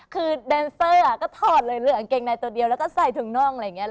คือแดนเซอร์ก็ถอดเลยเหลือกางเกงในตัวเดียวแล้วก็ใส่ถุงน่องอะไรอย่างนี้